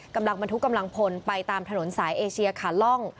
กำลังบรรทุกกำลังพลไปตามถนนสายเอเชียขาล่อง